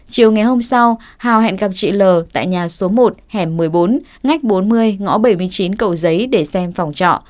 chiều ngày hôm sau hào hẹn gặp chị l tại nhà số một hẻm một mươi bốn ngách bốn mươi ngõ bảy mươi chín cầu giấy để xem phòng trọ